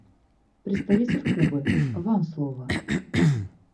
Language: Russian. Представитель Кубы, Вам слово.